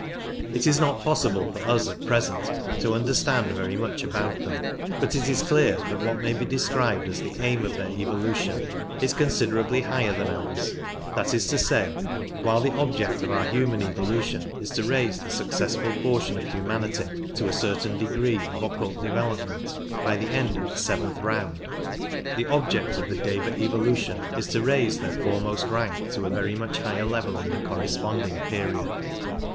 It is not possible for us at present to understand very much about them, but it is clear that what may be described as the aim of their evolution is considerably higher than ours ; that is to say, while the object of our human evolution is to raise the successful portion of humanity to a certain degree of occult develop ment by the end of the seventh round, the object of the Deva evolution is to raise their foremost rank to a very much higher level in the corresponding period.